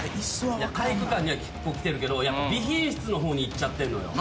体育館には結構来てるけど備品室の方に行っちゃってんのよ。